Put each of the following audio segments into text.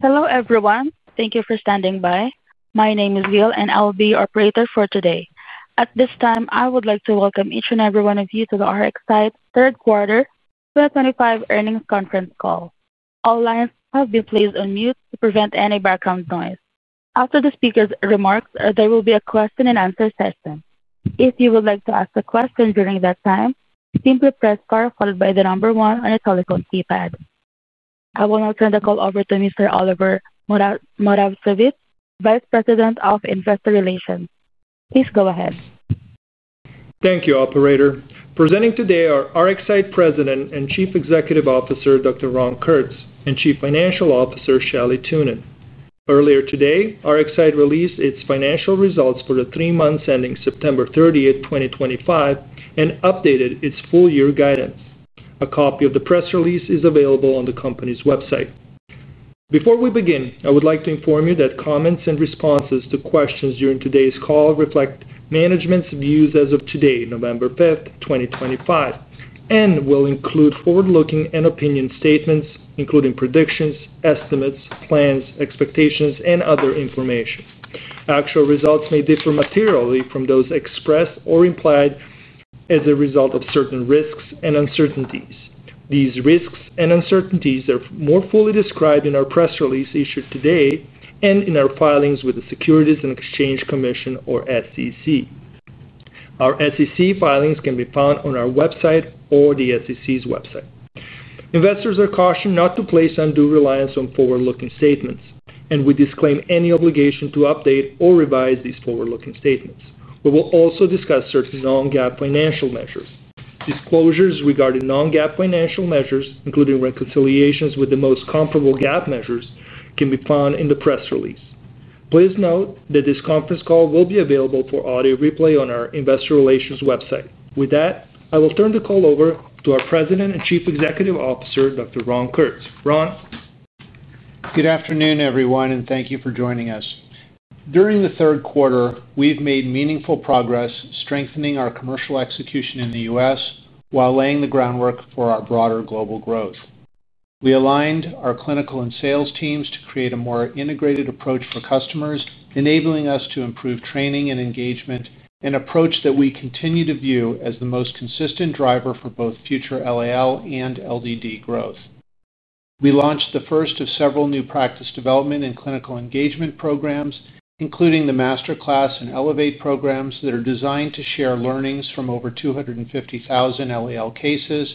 Hello everyone, thank you for standing by. My name is Gail, and I'll be your operator for today. At this time, I would like to welcome each and every one of you to the RxSight third quarter 2025 earnings conference call. All lines have been placed on mute to prevent any background noise. After the speakers' remarks, there will be a question-and-answer session. If you would like to ask a question during that time, simply press star followed by the number one on your telephone keypad. I will now turn the call over to Mr. Oliver Moravcevic, Vice President of Investor Relations. Please go ahead. Thank you, Operator. Presenting today are RxSight President and Chief Executive Officer Dr. Ron Kurtz and Chief Financial Officer Shelley Thunen. Earlier today, RxSight released its financial results for the three months ending September 30, 2025, and updated its full-year guidance. A copy of the press release is available on the company's website. Before we begin, I would like to inform you that comments and responses to questions during today's call reflect management's views as of today, November 5, 2025, and will include forward-looking and opinion statements, including predictions, estimates, plans, expectations, and other information. Actual results may differ materially from those expressed or implied as a result of certain risks and uncertainties. These risks and uncertainties are more fully described in our press release issued today and in our filings with the Securities and Exchange Commission, or SEC. Our SEC filings can be found on our website or the SEC's website. Investors are cautioned not to place undue reliance on forward-looking statements, and we disclaim any obligation to update or revise these forward-looking statements. We will also discuss certain non-GAAP financial measures. Disclosures regarding non-GAAP financial measures, including reconciliations with the most comparable GAAP measures, can be found in the press release. Please note that this conference call will be available for audio replay on our Investor Relations website. With that, I will turn the call over to our President and Chief Executive Officer, Dr. Ron Kurtz. Ron. Good afternoon, everyone, and thank you for joining us. During the third quarter, we've made meaningful progress, strengthening our commercial execution in the U.S. while laying the groundwork for our broader global growth. We aligned our clinical and sales teams to create a more integrated approach for customers, enabling us to improve training and engagement, an approach that we continue to view as the most consistent driver for both future LAL and LDD growth. We launched the first of several new practice development and clinical engagement programs, including the Masterclass and Elevate programs that are designed to share learnings from over 250,000 LAL cases,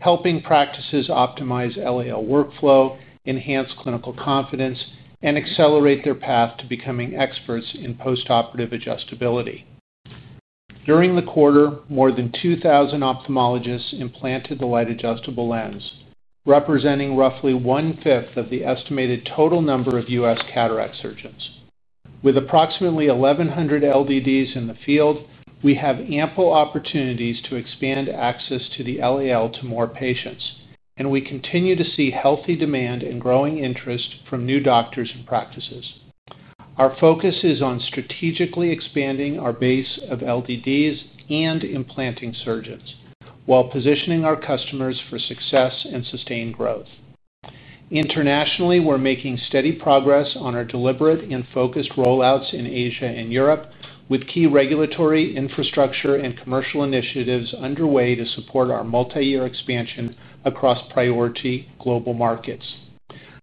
helping practices optimize LAL workflow, enhance clinical confidence, and accelerate their path to becoming experts in postoperative adjustability. During the quarter, more than 2,000 ophthalmologists implanted the Light Adjustable Lens, representing roughly one-fifth of the estimated total number of U.S. cataract surgeons. With approximately 1,100 LDDs in the field, we have ample opportunities to expand access to the LAL to more patients, and we continue to see healthy demand and growing interest from new doctors and practices. Our focus is on strategically expanding our base of LDDs and implanting surgeons, while positioning our customers for success and sustained growth. Internationally, we're making steady progress on our deliberate and focused rollouts in Asia and Europe, with key regulatory, infrastructure, and commercial initiatives underway to support our multi-year expansion across priority global markets.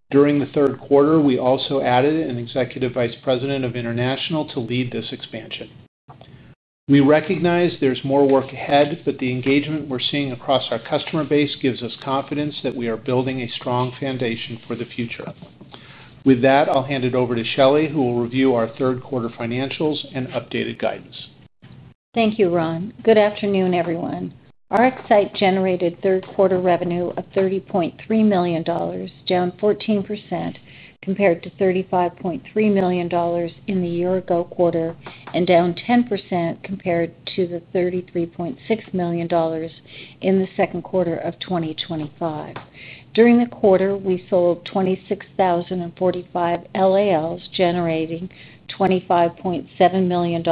During the third quarter, we also added an Executive Vice President of International to lead this expansion. We recognize there's more work ahead, but the engagement we're seeing across our customer base gives us confidence that we are building a strong foundation for the future. With that, I'll hand it over to Shelley, who will review our third-quarter financials and updated guidance. Thank you, Ron. Good afternoon, everyone. RxSight generated third-quarter revenue of $30.3 million, down 14% compared to $35.3 million in the year-ago quarter, and down 10% compared to the $33.6 million in the second quarter of 2025. During the quarter, we sold 26,045 LALs, generating $25.7 million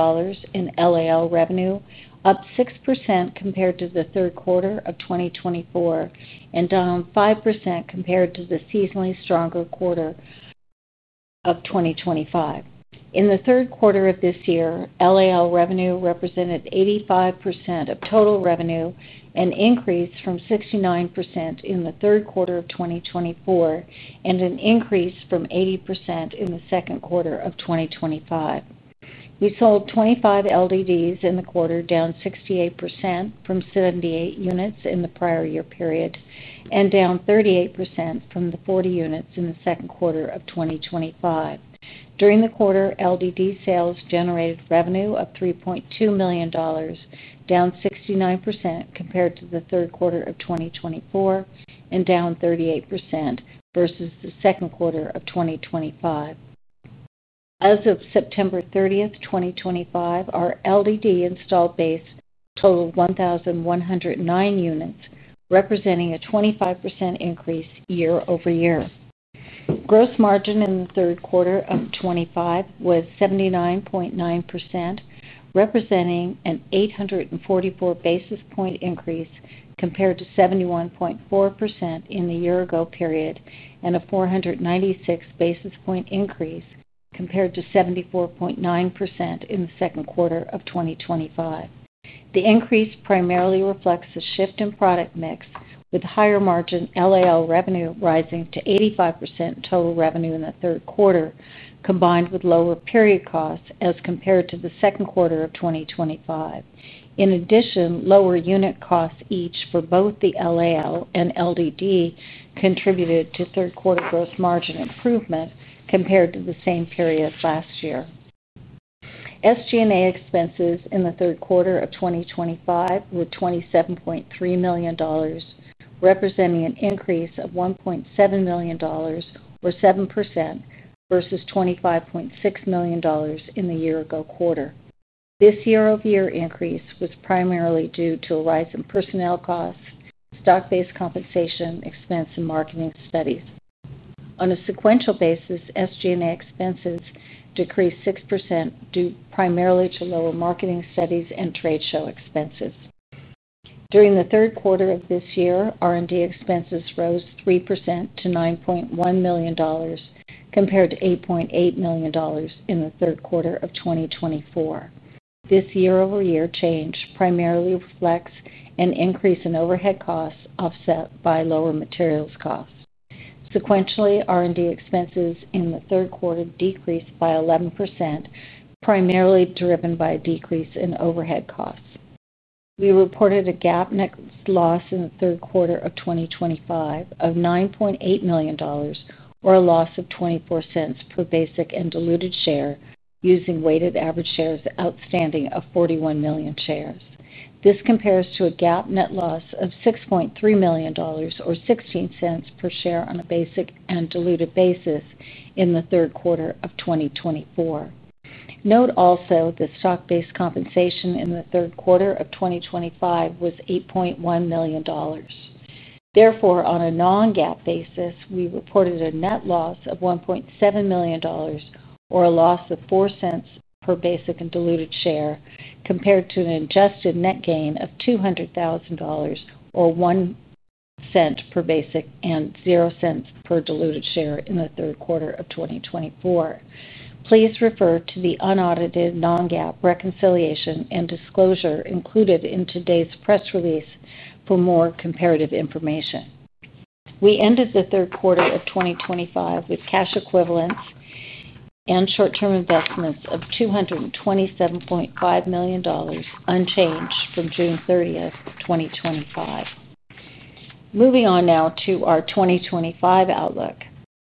in LAL revenue, up 6% compared to the third quarter of 2024, and down 5% compared to the seasonally stronger quarter of 2025. In the third quarter of this year, LAL revenue represented 85% of total revenue, an increase from 69% in the third quarter of 2024, and an increase from 80% in the second quarter of 2025. We sold 25 LDDs in the quarter, down 68% from 78 units in the prior year period, and down 38% from the 40 units in the second quarter of 2025. During the quarter, LDD sales generated revenue of $3.2 million, down 69% compared to the third quarter of 2024, and down 38% versus the second quarter of 2025. As of September 30, 2025, our LDD installed base totaled 1,109 units, representing a 25% increase year-over-year. Gross margin in the third quarter of 2025 was 79.9%, representing an 844 basis point increase compared to 71.4% in the year-ago period, and a 496 basis point increase compared to 74.9% in the second quarter of 2025. The increase primarily reflects a shift in product mix, with higher margin LAL revenue rising to 85% total revenue in the third quarter, combined with lower period costs as compared to the second quarter of 2025. In addition, lower unit costs each for both the LAL and LDD contributed to third-quarter gross margin improvement compared to the same period last year. SG&A expenses in the third quarter of 2025 were $27.3 million, representing an increase of $1.7 million, or 7%, versus $25.6 million in the year-ago quarter. This year-over-year increase was primarily due to a rise in personnel costs, stock-based compensation expense, and marketing studies. On a sequential basis, SG&A expenses decreased 6% due primarily to lower marketing studies and trade show expenses. During the third quarter of this year, R&D expenses rose 3% to $9.1 million, compared to $8.8 million in the third quarter of 2024. This year-over-year change primarily reflects an increase in overhead costs offset by lower materials costs. Sequentially, R&D expenses in the third quarter decreased by 11%, primarily driven by a decrease in overhead costs. We reported a GAAP net loss in the third quarter of 2025 of $9.8 million, or a loss of $0.24 per basic and diluted share, using weighted average shares outstanding of 41 million shares. This compares to a GAAP net loss of $6.3 million, or $0.16 per share on a basic and diluted basis in the third quarter of 2024. Note also that stock-based compensation in the third quarter of 2025 was $8.1 million. Therefore, on a non-GAAP basis, we reported a net loss of $1.7 million, or a loss of $0.04 per basic and diluted share, compared to an adjusted net gain of $200,000, or $0.01 per basic and $0.00 per diluted share in the third quarter of 2024. Please refer to the unaudited non-GAAP reconciliation and disclosure included in today's press release for more comparative information. We ended the third quarter of 2025 with cash equivalents. Short-term investments of $227.5 million unchanged from June 30th, 2025. Moving on now to our 2025 outlook,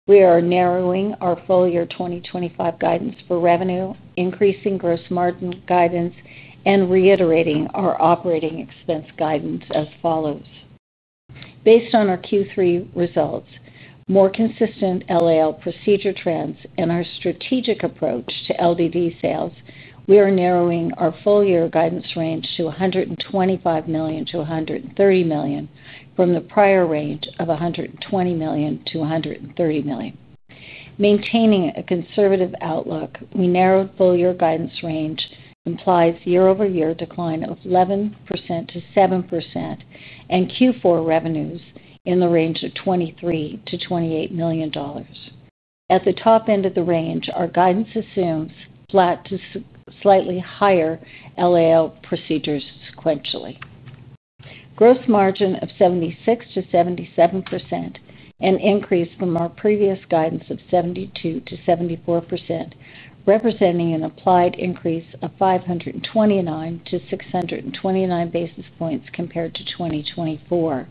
we are narrowing our full-year 2025 guidance for revenue, increasing gross margin guidance, and reiterating our operating expense guidance as follows. Based on our Q3 results, more consistent LAL procedure trends, and our strategic approach to LDD sales, we are narrowing our full-year guidance range to $125 million-$130 million from the prior range of $120 million-$130 million. Maintaining a conservative outlook, we narrowed full-year guidance range, implies year-over-year decline of 11%-7%, and Q4 revenues in the range of $23 million-$28 million. At the top end of the range, our guidance assumes flat to slightly higher LAL procedures sequentially. Gross margin of 76%-77%, an increase from our previous guidance of 72%-74%. Representing an applied increase of 529-629 basis points compared to 2024.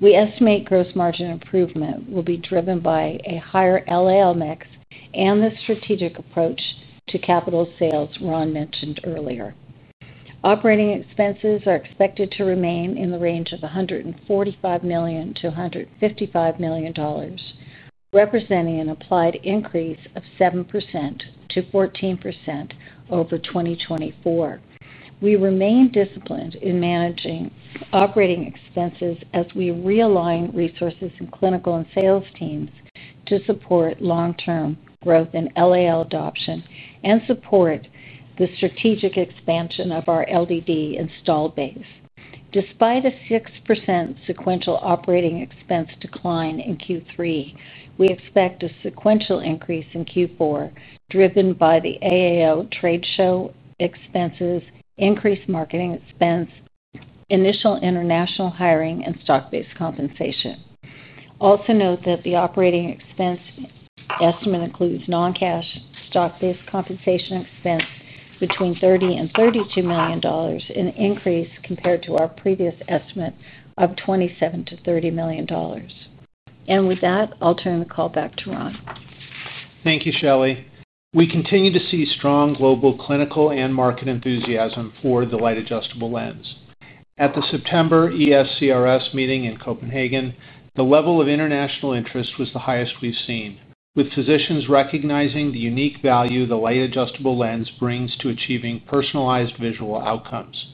We estimate gross margin improvement will be driven by a higher LAL mix and the strategic approach to capital sales Ron mentioned earlier. Operating expenses are expected to remain in the range of $145 million-$155 million, representing an applied increase of 7%-14% over 2024. We remain disciplined in managing operating expenses as we realign resources in clinical and sales teams to support long-term growth in LAL adoption and support the strategic expansion of our LDD installed base. Despite a 6% sequential operating expense decline in Q3, we expect a sequential increase in Q4 driven by the AAO trade show expenses, increased marketing expense, initial international hiring, and stock-based compensation. Also note that the operating expense. Estimate includes non-cash stock-based compensation expense between $30 million and $32 million, an increase compared to our previous estimate of $27 million-$30 million. With that, I'll turn the call back to Ron. Thank you, Shelley. We continue to see strong global clinical and market enthusiasm for the light-adjustable lens. At the September ESCRS meeting in Copenhagen, the level of international interest was the highest we've seen, with physicians recognizing the unique value the light-adjustable lens brings to achieving personalized visual outcomes.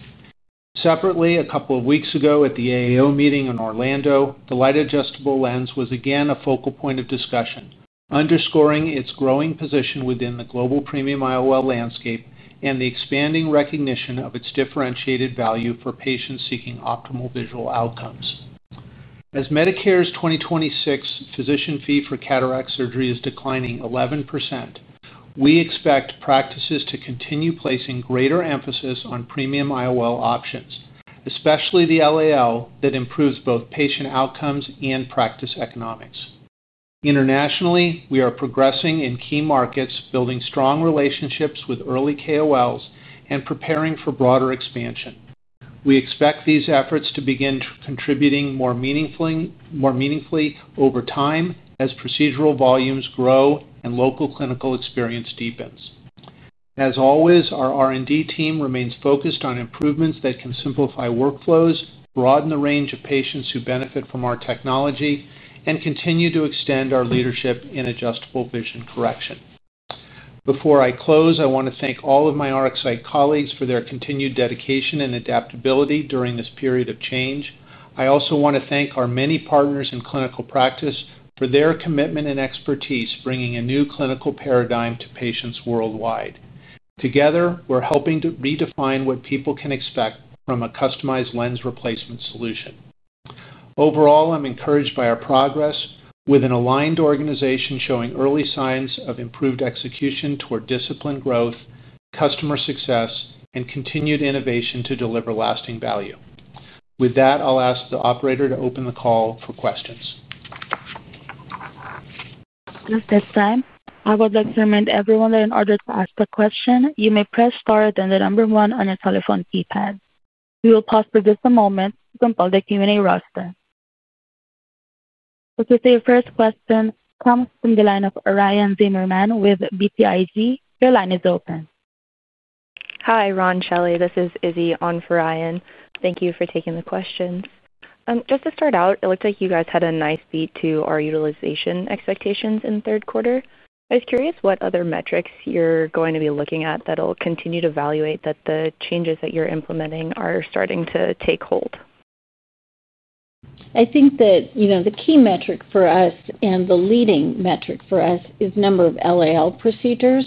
Separately, a couple of weeks ago at the AAO meeting in Orlando, the light-adjustable lens was again a focal point of discussion, underscoring its growing position within the global premium IOL landscape and the expanding recognition of its differentiated value for patients seeking optimal visual outcomes. As Medicare's 2026 physician fee for cataract surgery is declining 11%, we expect practices to continue placing greater emphasis on premium IOL options, especially the LAL that improves both patient outcomes and practice economics. Internationally, we are progressing in key markets, building strong relationships with early KOLs, and preparing for broader expansion. We expect these efforts to begin contributing more meaningfully over time as procedural volumes grow and local clinical experience deepens. As always, our R&D team remains focused on improvements that can simplify workflows, broaden the range of patients who benefit from our technology, and continue to extend our leadership in adjustable vision correction. Before I close, I want to thank all of my RxSight colleagues for their continued dedication and adaptability during this period of change. I also want to thank our many partners in clinical practice for their commitment and expertise, bringing a new clinical paradigm to patients worldwide. Together, we're helping to redefine what people can expect from a customized lens replacement solution. Overall, I'm encouraged by our progress, with an aligned organization showing early signs of improved execution toward discipline growth, customer success, and continued innovation to deliver lasting value. With that, I'll ask the operator to open the call for questions. At this time, I would like to remind everyone that in order to ask a question, you may press star and then the number one on your telephone keypad. We will pause for just a moment to compile the Q&A roster. Okay, so your first question comes from the line of Ryan Zimmerman with BTIG. Your line is open. Hi, Ron, Shelley. This is Izzy on for Ryan. Thank you for taking the questions. Just to start out, it looks like you guys had a nice beat to our utilization expectations in the third quarter. I was curious what other metrics you're going to be looking at that'll continue to evaluate that the changes that you're implementing are starting to take hold. I think that the key metric for us and the leading metric for us is the number of LAL procedures.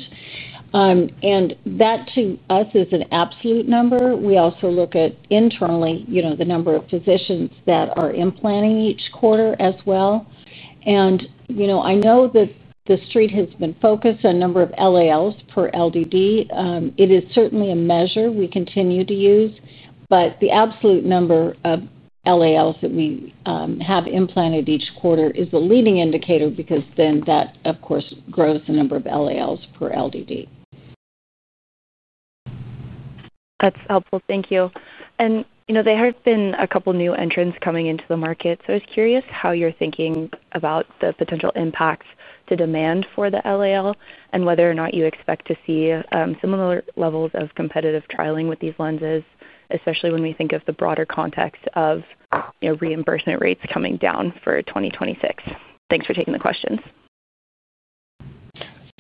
That, to us, is an absolute number. We also look at internally the number of physicians that are implanting each quarter as well. I know that the street has been focused on the number of LALs per LDD. It is certainly a measure we continue to use, but the absolute number of LALs that we have implanted each quarter is the leading indicator because then that, of course, grows the number of LALs per LDD. That's helpful. Thank you. There have been a couple of new entrants coming into the market. I was curious how you're thinking about the potential impacts to demand for the LAL and whether or not you expect to see similar levels of competitive trialing with these lenses, especially when we think of the broader context of reimbursement rates coming down for 2026. Thanks for taking the questions.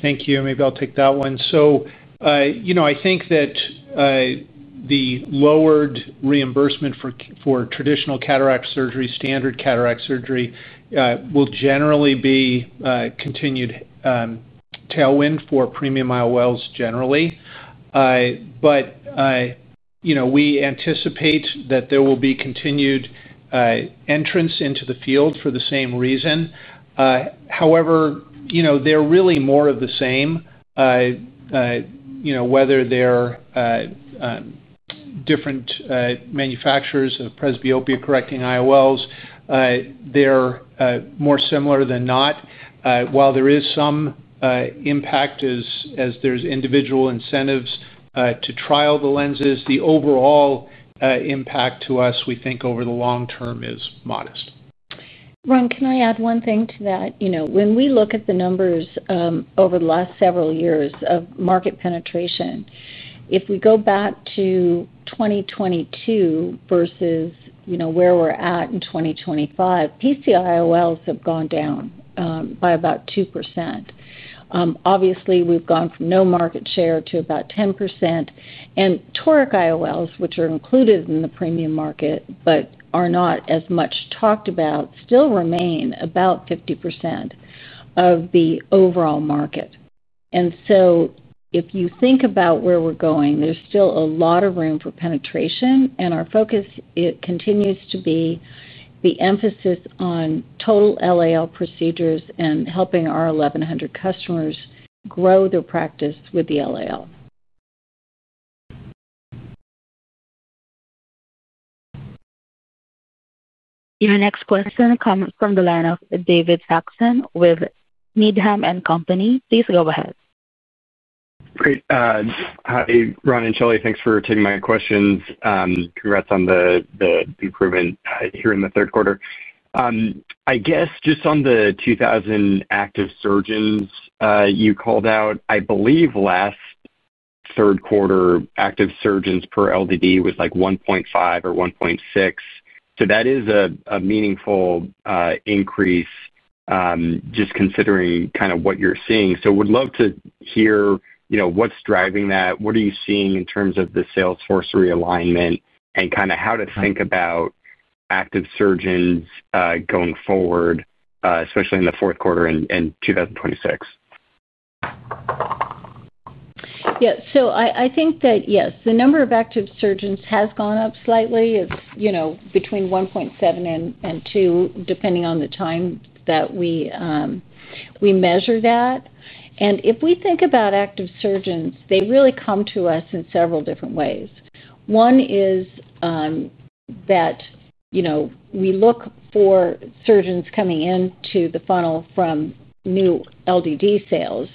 Thank you. Maybe I'll take that one. I think that the lowered reimbursement for traditional cataract surgery, standard cataract surgery, will generally be a continued tailwind for premium IOLs generally. We anticipate that there will be continued entrance into the field for the same reason. However, they're really more of the same, whether they're different manufacturers of presbyopia-correcting IOLs. They're more similar than not. While there is some impact, as there's individual incentives to trial the lenses, the overall impact to us, we think, over the long term is modest. Ron, can I add one thing to that? When we look at the numbers over the last several years of market penetration, if we go back to 2022 versus where we're at in 2025, PCIOLs have gone down by about 2%. Obviously, we've gone from no market share to about 10%. And toric IOLs, which are included in the premium market but are not as much talked about, still remain about 50% of the overall market. If you think about where we're going, there's still a lot of room for penetration. Our focus continues to be the emphasis on total LAL procedures and helping our 1,100 customers grow their practice with the LAL. Your next question, coming from the line of David Saxon with Needham & Company. Please go ahead. Great. Hi, Ron and Shelley. Thanks for taking my questions. Congrats on the improvement here in the third quarter. I guess just on the 2,000 active surgeons you called out, I believe last third quarter active surgeons per LDD was like 1.5 or 1.6. That is a meaningful increase. Just considering kind of what you're seeing. Would love to hear what's driving that. What are you seeing in terms of the sales force realignment and kind of how to think about active surgeons going forward, especially in the fourth quarter in 2026? Yeah. I think that, yes, the number of active surgeons has gone up slightly. It is between 1.7 and 2, depending on the time that we measure that. If we think about active surgeons, they really come to us in several different ways. One is that we look for surgeons coming into the funnel from new LDD sales.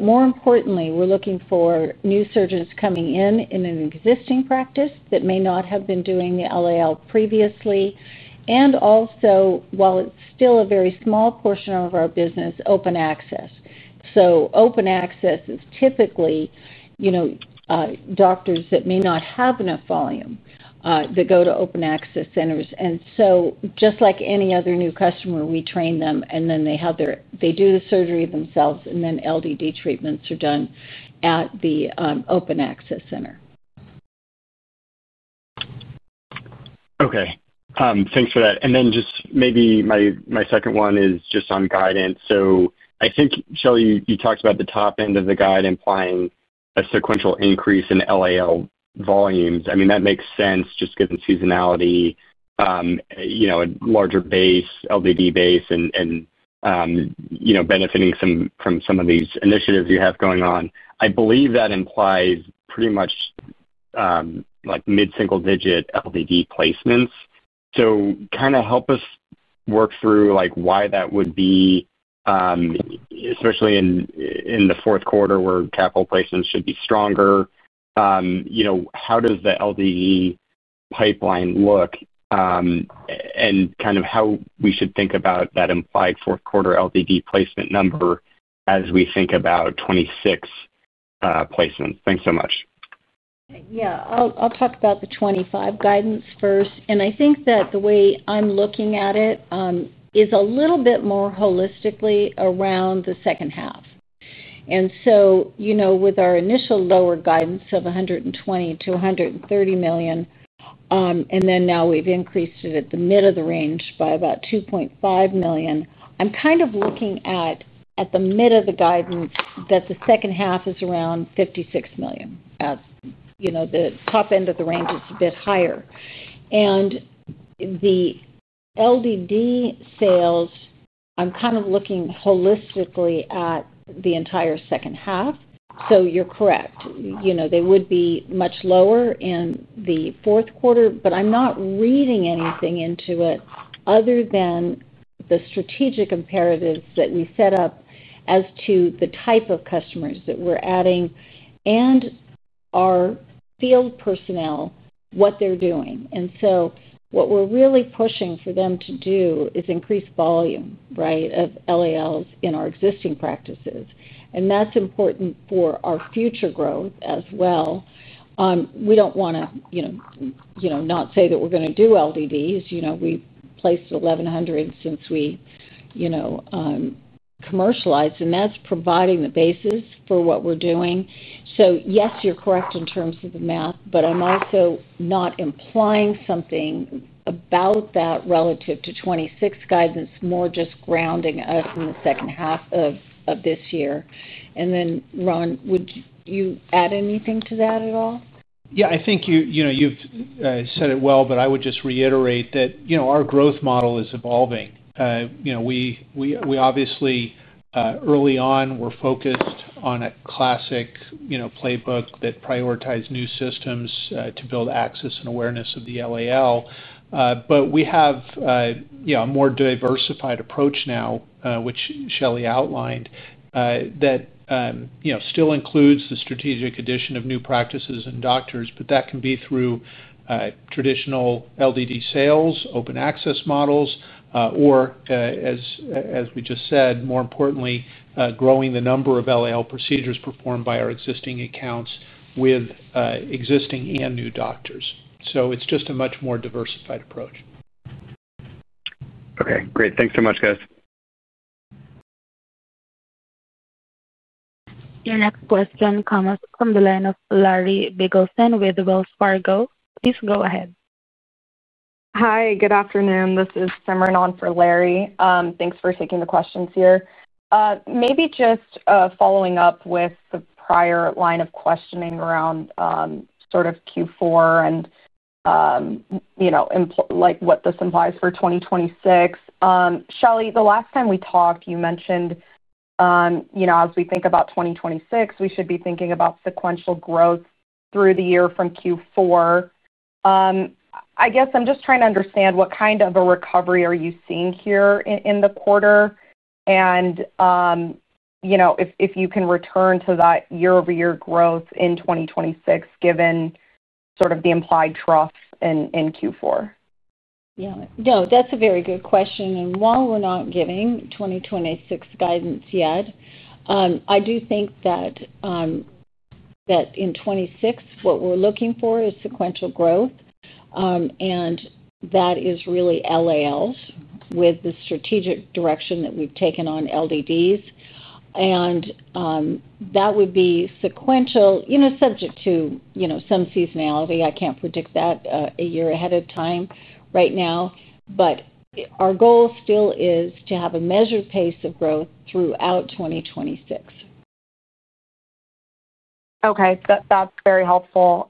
More importantly, we are looking for new surgeons coming in in an existing practice that may not have been doing the LAL previously. Also, while it is still a very small portion of our business, open access. Open access is typically doctors that may not have enough volume that go to open access centers. Just like any other new customer, we train them, and then they do the surgery themselves, and then LDD treatments are done at the open access center. Okay. Thanks for that. Just maybe my second one is just on guidance. I think, Shelley, you talked about the top end of the guide implying a sequential increase in LAL volumes. I mean, that makes sense just given seasonality, a larger LDD base, and benefiting from some of these initiatives you have going on. I believe that implies pretty much mid-single digit LDD placements. Kind of help us work through why that would be, especially in the fourth quarter where capital placements should be stronger. How does the LDD pipeline look, and kind of how we should think about that implied fourth quarter LDD placement number as we think about 2026 placements? Thanks so much. Yeah. I'll talk about the '25 guidance first. I think that the way I'm looking at it is a little bit more holistically around the second half. With our initial lower guidance of $120 million-$130 million, and then now we've increased it at the mid of the range by about $2.5 million, I'm kind of looking at the mid of the guidance that the second half is around $56 million. The top end of the range is a bit higher. The LDD sales, I'm kind of looking holistically at the entire second half. You're correct. They would be much lower in the fourth quarter, but I'm not reading anything into it other than the strategic imperatives that we set up as to the type of customers that we're adding and our field personnel, what they're doing. What we're really pushing for them to do is increase volume, right, of LALs in our existing practices. That's important for our future growth as well. We don't want to not say that we're going to do LDDs. We've placed 1,100 since we commercialized, and that's providing the basis for what we're doing. Yes, you're correct in terms of the math, but I'm also not implying something about that relative to 2026 guidance, more just grounding us in the second half of this year. Ron, would you add anything to that at all? Yeah. I think you've said it well, but I would just reiterate that our growth model is evolving. We obviously, early on, were focused on a classic playbook that prioritized new systems to build access and awareness of the LAL. But we have a more diversified approach now, which Shelley outlined, that still includes the strategic addition of new practices and doctors, but that can be through traditional LDD sales, open access models, or, as we just said, more importantly, growing the number of LAL procedures performed by our existing accounts with existing and new doctors. It is just a much more diversified approach. Okay. Great. Thanks so much, guys. Your next question, coming from the line of Larry Biegelsen with Wells Fargo. Please go ahead. Hi. Good afternoon. This is Simran on for Larry. Thanks for taking the questions here. Maybe just following up with the prior line of questioning around sort of Q4 and what this implies for 2026. Shelley, the last time we talked, you mentioned as we think about 2026, we should be thinking about sequential growth through the year from Q4. I guess I'm just trying to understand what kind of a recovery are you seeing here in the quarter and if you can return to that year-over-year growth in 2026, given sort of the implied trough in Q4. Yeah. No, that's a very good question. While we're not giving 2026 guidance yet, I do think that in 2026, what we're looking for is sequential growth. That is really LALs with the strategic direction that we've taken on LDDs. That would be sequential, subject to some seasonality. I can't predict that a year ahead of time right now. Our goal still is to have a measured pace of growth throughout 2026. Okay. That's very helpful.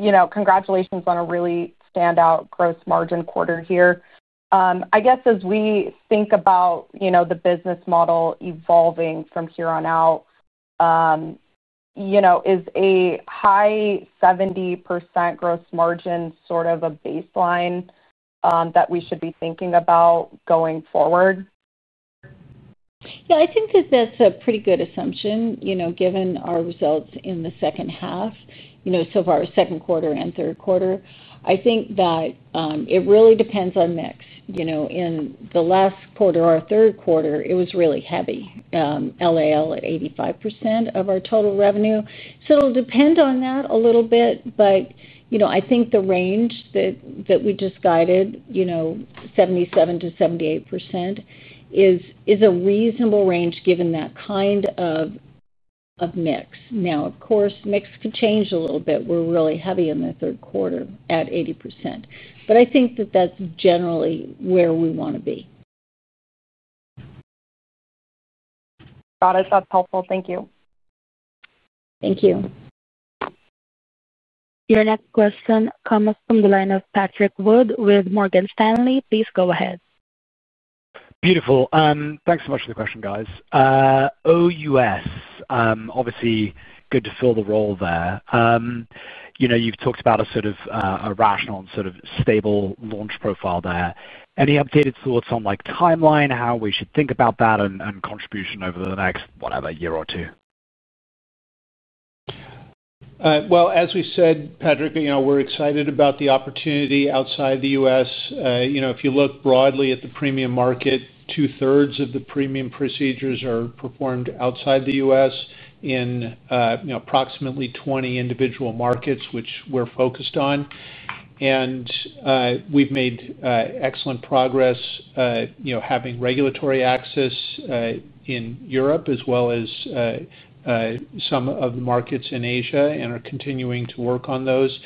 Congratulations on a really standout gross margin quarter here. I guess as we think about the business model evolving from here on out, is a high 70% gross margin sort of a baseline that we should be thinking about going forward? Yeah. I think that that's a pretty good assumption, given our results in the second half, so far second quarter and third quarter. I think that it really depends on mix. In the last quarter or third quarter, it was really heavy, LAL at 85% of our total revenue. It will depend on that a little bit. I think the range that we just guided, 77-78%, is a reasonable range given that kind of mix. Now, of course, mix could change a little bit. We were really heavy in the third quarter at 80%. I think that that's generally where we want to be. Got it. That's helpful. Thank you. Thank you. Your next question, coming from the line of Patrick Wood with Morgan Stanley. Please go ahead. Beautiful. Thanks so much for the question, guys. OUS. Obviously, good to fill the role there. You've talked about a sort of rational and sort of stable launch profile there. Any updated thoughts on timeline, how we should think about that, and contribution over the next, whatever, year or two? As we said, Patrick, we're excited about the opportunity outside the U.S. If you look broadly at the premium market, two-thirds of the premium procedures are performed outside the U.S. in approximately 20 individual markets, which we're focused on. We've made excellent progress having regulatory access in Europe as well as some of the markets in Asia and are continuing to work on those.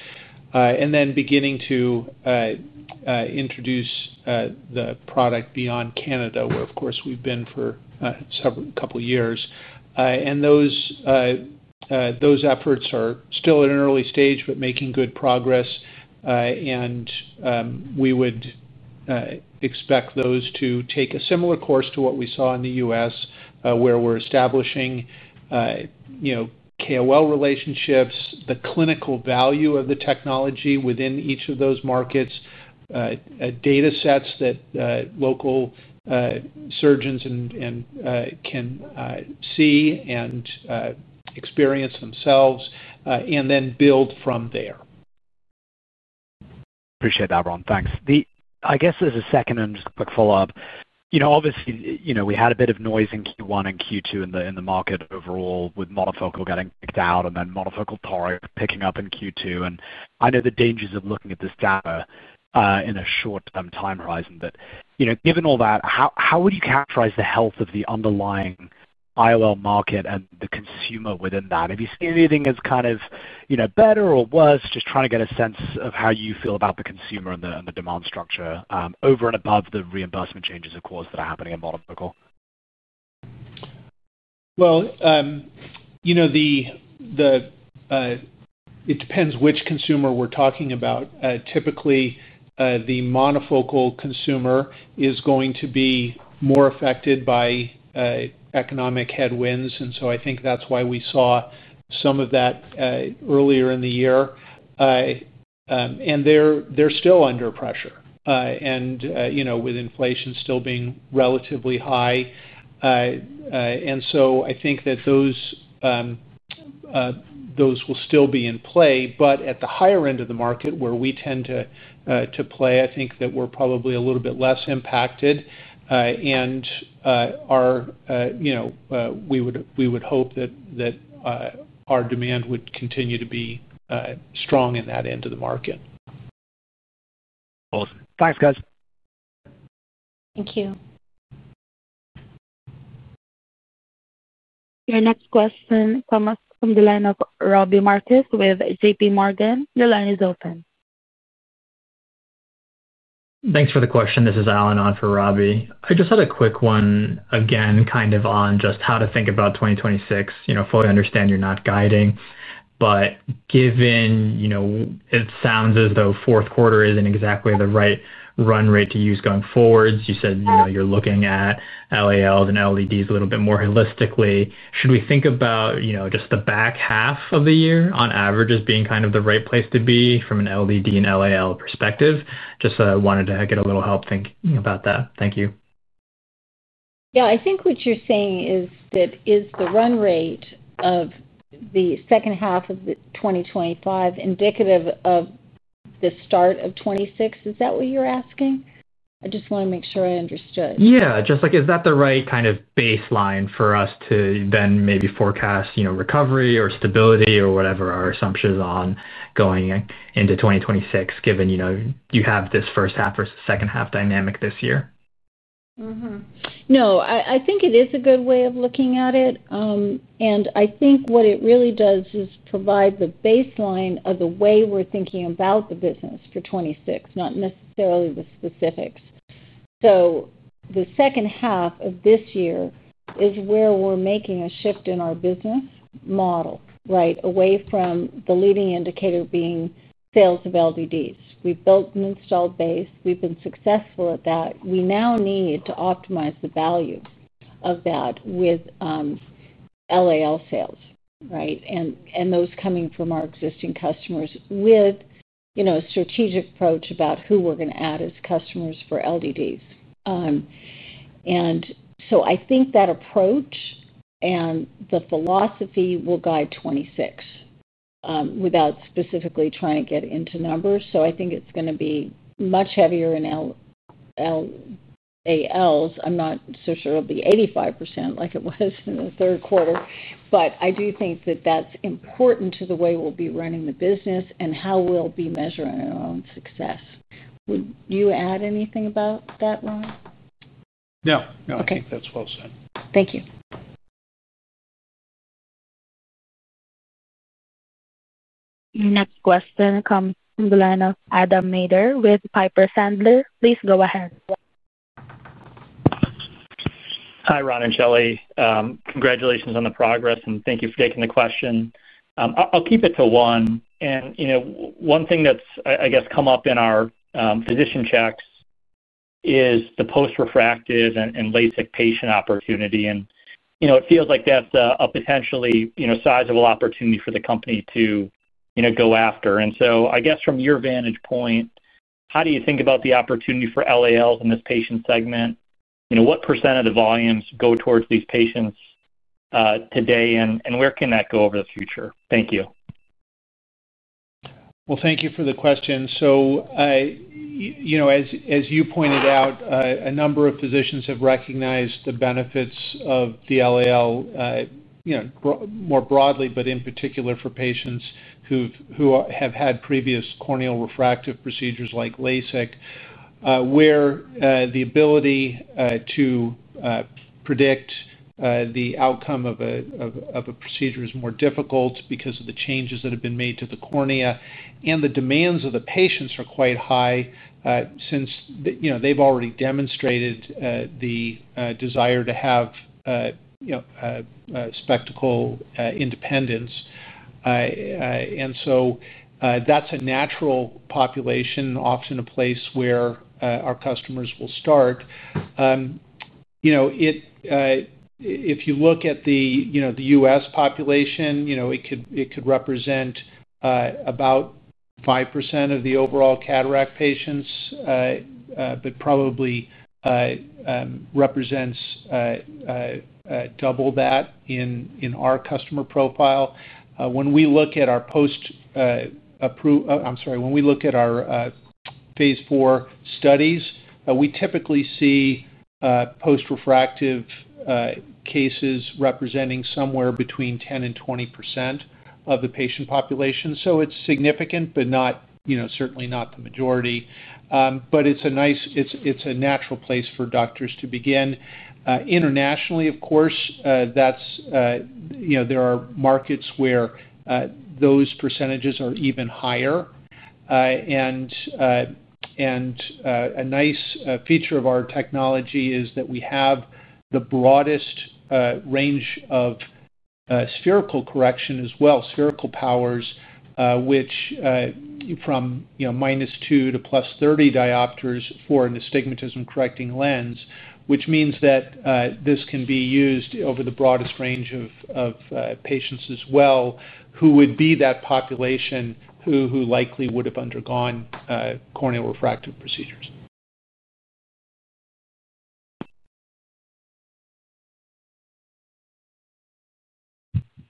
Then beginning to introduce the product beyond Canada, where, of course, we've been for a couple of years. Those efforts are still at an early stage but making good progress. We would expect those to take a similar course to what we saw in the U.S., where we're establishing KOL relationships, the clinical value of the technology within each of those markets, data sets that local surgeons can see and experience themselves, and then build from there. Appreciate that, Ron. Thanks. I guess as a second, I'm just a quick follow-up. Obviously, we had a bit of noise in Q1 and Q2 in the market overall with monofocal getting kicked out and then monofocal toric picking up in Q2. I know the dangers of looking at this data in a short-term time horizon. Given all that, how would you characterize the health of the underlying IOL market and the consumer within that? Have you seen anything as kind of better or worse? Just trying to get a sense of how you feel about the consumer and the demand structure over and above the reimbursement changes, of course, that are happening in monofocal. It depends which consumer we're talking about. Typically, the monofocal consumer is going to be more affected by economic headwinds. I think that's why we saw some of that earlier in the year. They're still under pressure, with inflation still being relatively high. I think that those will still be in play. At the higher end of the market, where we tend to play, I think that we're probably a little bit less impacted. We would hope that our demand would continue to be strong in that end of the market. Cool. Thanks, guys. Thank you. Your next question, coming from the line of Robbie Marcus with JPMorgan. Your line is open. Thanks for the question. This is Allen on for Robbie. I just had a quick one again, kind of on just how to think about 2026. Fully understand you're not guiding. Given it sounds as though fourth quarter isn't exactly the right run rate to use going forward. You said you're looking at LALs and LDDs a little bit more holistically. Should we think about just the back half of the year on average as being kind of the right place to be from an LDD and LAL perspective? Just wanted to get a little help thinking about that. Thank you. Yeah. I think what you're saying is that is the run rate of the second half of 2025 indicative of the start of 2026? Is that what you're asking? I just want to make sure I understood. Yeah. Just like, is that the right kind of baseline for us to then maybe forecast recovery or stability or whatever our assumption is on going into 2026, given you have this first half versus second half dynamic this year? No. I think it is a good way of looking at it. I think what it really does is provide the baseline of the way we're thinking about the business for 2026, not necessarily the specifics. The second half of this year is where we're making a shift in our business model, right, away from the leading indicator being sales of LDDs. We've built an installed base. We've been successful at that. We now need to optimize the value of that with LAL sales, right, and those coming from our existing customers with a strategic approach about who we're going to add as customers for LDDs. I think that approach and the philosophy will guide 2026, without specifically trying to get into numbers. I think it's going to be much heavier in LALs. I'm not so sure it'll be 85% like it was in the third quarter. I do think that that's important to the way we'll be running the business and how we'll be measuring our own success. Would you add anything about that, Ron? No. No. I think that's well said. Thank you. Your next question comes from the line of Adam Maeder with Piper Sandler. Please go ahead. Hi, Ron and Shelley. Congratulations on the progress, and thank you for taking the question. I'll keep it to one. One thing that's, I guess, come up in our physician checks is the post-refractive and LASIK patient opportunity. It feels like that's a potentially sizable opportunity for the company to go after. I guess from your vantage point, how do you think about the opportunity for LALs in this patient segment? What % of the volumes go towards these patients today, and where can that go over the future? Thank you. Thank you for the question. As you pointed out, a number of physicians have recognized the benefits of the LAL more broadly, but in particular for patients who have had previous corneal refractive procedures like LASIK, where the ability to predict the outcome of a procedure is more difficult because of the changes that have been made to the cornea. The demands of the patients are quite high since they have already demonstrated the desire to have spectacle independence. That is a natural population, often a place where our customers will start. If you look at the U.S. population, it could represent about 5% of the overall cataract patients, but probably represents double that in our customer profile. When we look at our phase four studies, we typically see post-refractive. Cases representing somewhere between 10% and 20% of the patient population. It is significant, but certainly not the majority. It is a natural place for doctors to begin. Internationally, of course, there are markets where those percentages are even higher. A nice feature of our technology is that we have the broadest range of spherical correction as well, spherical powers, which is from minus 2 to plus 30 diopters for an astigmatism-correcting lens, which means that this can be used over the broadest range of patients as well, who would be that population who likely would have undergone corneal refractive procedures.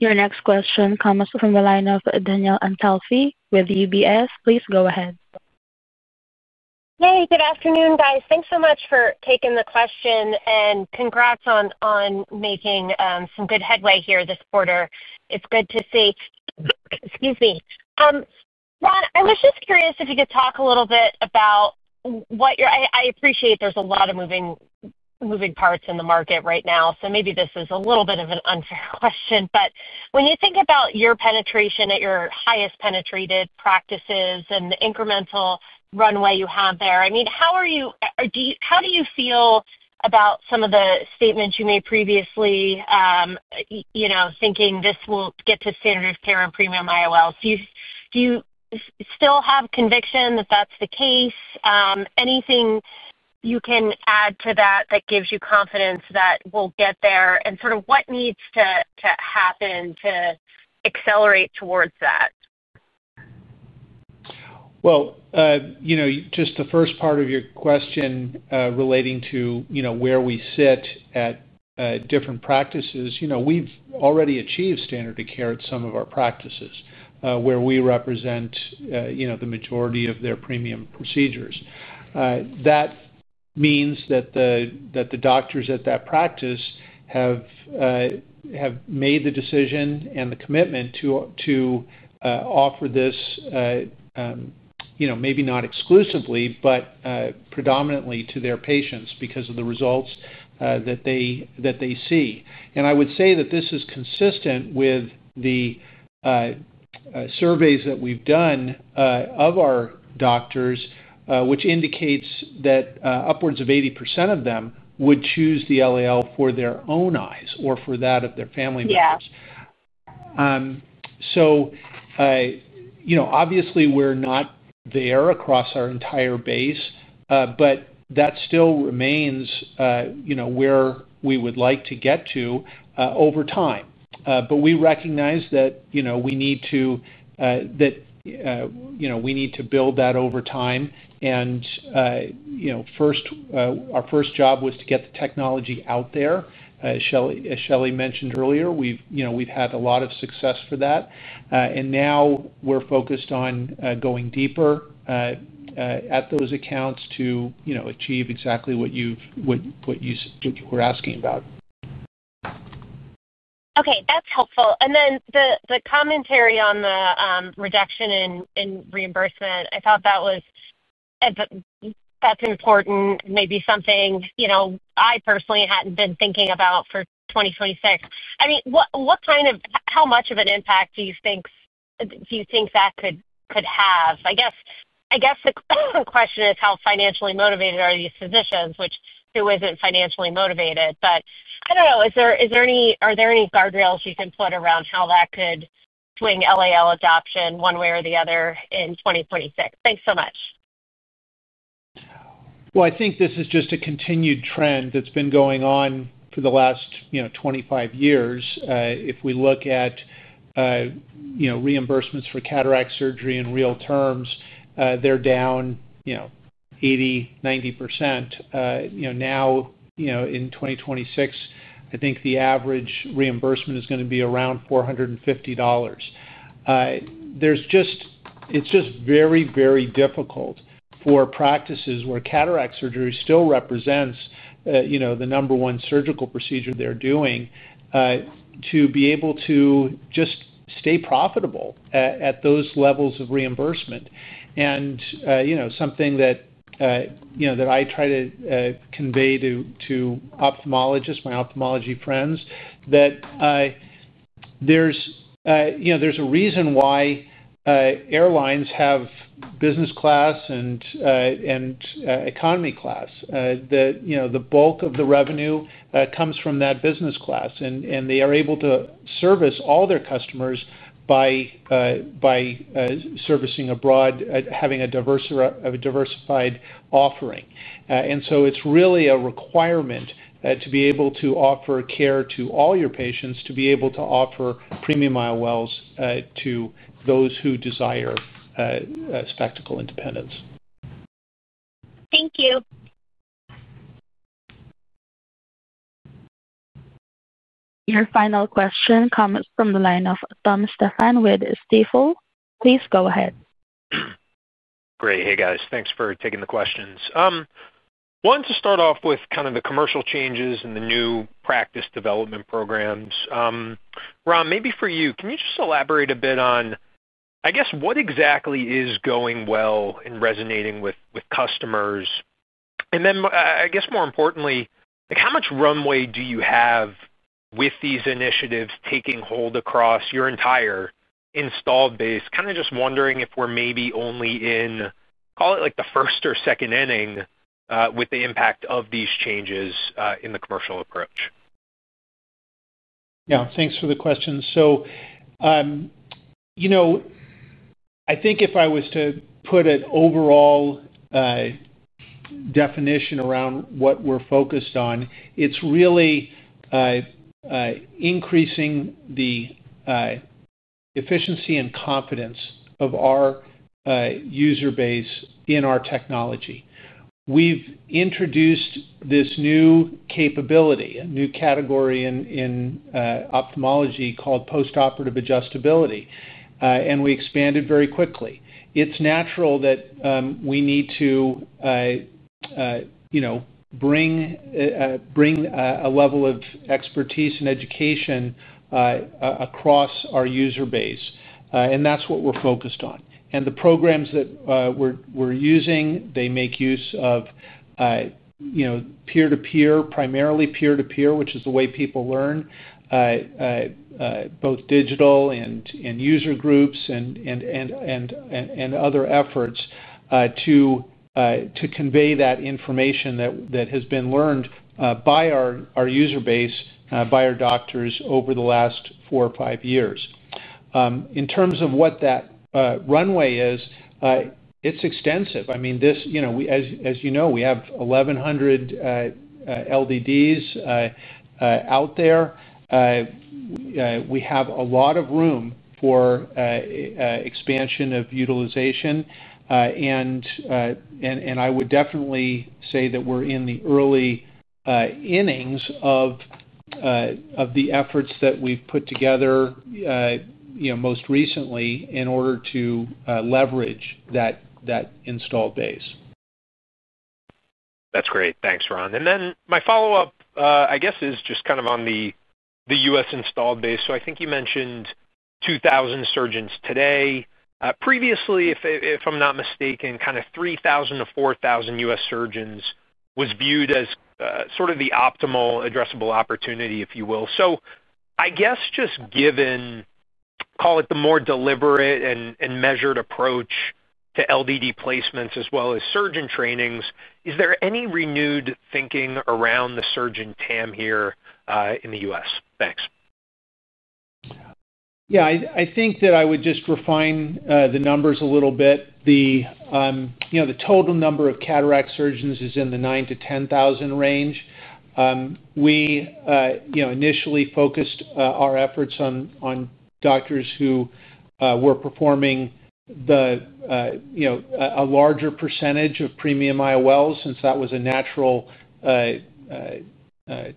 Your next question, coming from the line of Danielle Antalffy with UBS. Please go ahead. Hey, good afternoon, guys. Thanks so much for taking the question. And congrats on making some good headway here this quarter. It's good to see. Excuse me. Ron, I was just curious if you could talk a little bit about what you're—I appreciate there's a lot of moving parts in the market right now. So maybe this is a little bit of an unfair question. But when you think about your penetration at your highest penetrated practices and the incremental runway you have there, I mean, how do you feel about some of the statements you made previously. Thinking this will get to standard of care and premium IOLs? Do you still have conviction that that's the case? Anything you can add to that that gives you confidence that we'll get there? And sort of what needs to happen to accelerate towards that? Just the first part of your question relating to where we sit at different practices, we've already achieved standard of care at some of our practices where we represent the majority of their premium procedures. That means that the doctors at that practice have made the decision and the commitment to offer this, maybe not exclusively, but predominantly to their patients because of the results that they see. I would say that this is consistent with the surveys that we've done of our doctors, which indicates that upwards of 80% of them would choose the LAL for their own eyes or for that of their family members. Obviously, we're not there across our entire base, but that still remains where we would like to get to over time. We recognize that we need to build that over time. Our first job was to get the technology out there. As Shelley mentioned earlier, we've had a lot of success for that. Now we're focused on going deeper at those accounts to achieve exactly what you were asking about. Okay. That's helpful. The commentary on the reduction in reimbursement, I thought that was important, maybe something I personally had not been thinking about for 2026. I mean, how much of an impact do you think that could have? I guess the question is, how financially motivated are these physicians, which, who is not financially motivated? I do not know. Are there any guardrails you can put around how that could swing LAL adoption one way or the other in 2026? Thanks so much. I think this is just a continued trend that's been going on for the last 25 years. If we look at reimbursements for cataract surgery in real terms, they're down 80-90%. Now, in 2026, I think the average reimbursement is going to be around $450. It's just very, very difficult for practices where cataract surgery still represents the number one surgical procedure they're doing to be able to just stay profitable at those levels of reimbursement. Something that I try to convey to ophthalmologists, my ophthalmology friends, is that there's a reason why airlines have business class and economy class. The bulk of the revenue comes from that business class, and they are able to service all their customers by servicing a broad, having a diversified offering. It's really a requirement to be able to offer care to all your patients, to be able to offer premium IOLs to those who desire spectacle independence. Thank you. Your final question, coming from the line of Tom Stephan with Stifel. Please go ahead. Great. Hey, guys. Thanks for taking the questions. I wanted to start off with kind of the commercial changes and the new practice development programs. Ron, maybe for you, can you just elaborate a bit on, I guess, what exactly is going well in resonating with customers? I guess, more importantly, how much runway do you have with these initiatives taking hold across your entire installed base? Kind of just wondering if we're maybe only in, call it the first or second inning with the impact of these changes in the commercial approach. Yeah. Thanks for the question. I think if I was to put an overall definition around what we're focused on, it's really increasing the efficiency and confidence of our user base in our technology. We've introduced this new capability, a new category in ophthalmology called post-operative adjustability. We expanded very quickly. It's natural that we need to bring a level of expertise and education across our user base. That's what we're focused on. The programs that we're using, they make use of peer-to-peer, primarily peer-to-peer, which is the way people learn, both digital and user groups and other efforts to convey that information that has been learned by our user base, by our doctors over the last four or five years. In terms of what that runway is, it's extensive. I mean, as you know, we have 1,100 LDDs out there. We have a lot of room for expansion of utilization. I would definitely say that we're in the early innings of the efforts that we've put together most recently in order to leverage that installed base. That's great. Thanks, Ron. My follow-up, I guess, is just kind of on the U.S. installed base. I think you mentioned 2,000 surgeons today. Previously, if I'm not mistaken, kind of 3,000-4,000 U.S. surgeons was viewed as sort of the optimal addressable opportunity, if you will. I guess just given, call it the more deliberate and measured approach to LDD placements as well as surgeon trainings, is there any renewed thinking around the surgeon TAM here in the U.S.? Thanks. Yeah. I think that I would just refine the numbers a little bit. The total number of cataract surgeons is in the 9,000 to 10,000 range. We initially focused our efforts on doctors who were performing a larger percentage of premium IOLs since that was a natural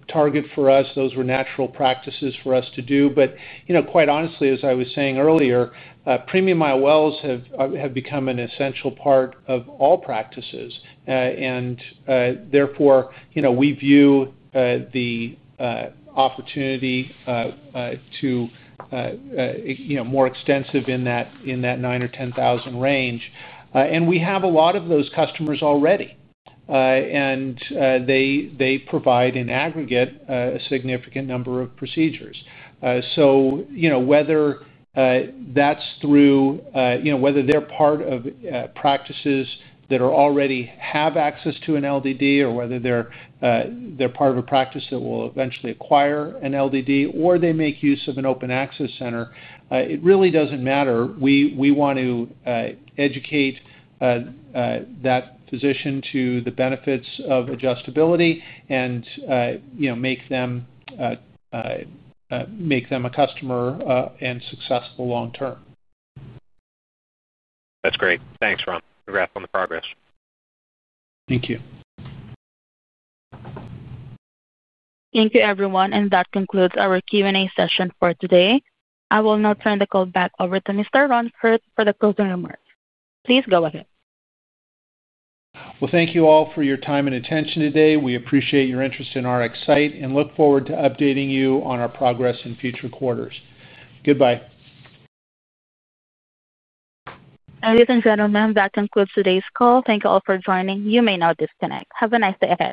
target for us. Those were natural practices for us to do. Quite honestly, as I was saying earlier, premium IOLs have become an essential part of all practices. Therefore, we view the opportunity to be more extensive in that 9,000 or 10,000 range. We have a lot of those customers already. They provide in aggregate a significant number of procedures. Whether that's through. Whether they're part of practices that already have access to an LDD, or whether they're part of a practice that will eventually acquire an LDD, or they make use of an open access center, it really doesn't matter. We want to educate that physician to the benefits of adjustability and make them a customer and successful long term. That's great. Thanks, Ron. Congrats on the progress. Thank you. Thank you, everyone. That concludes our Q&A session for today. I will now turn the call back over to Mr. Ron Kurtz for the closing remarks. Please go ahead. Thank you all for your time and attention today. We appreciate your interest in RxSight and look forward to updating you on our progress in future quarters. Goodbye. Ladies and gentlemen, that concludes today's call. Thank you all for joining. You may now disconnect. Have a nice day.